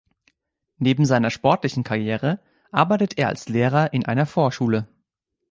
Neben seiner sportlichen Karriere arbeitet er als Lehrer in einer Vorschule.